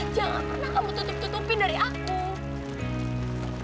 jangan pernah kamu tutup tutupin dari aku